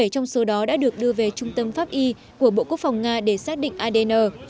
bảy trong số đó đã được đưa về trung tâm pháp y của bộ quốc phòng nga để xác định adn